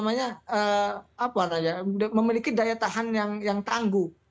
memiliki daya tahan yang tangguh